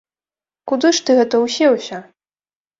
Куды ж ты гэта ўсеўся?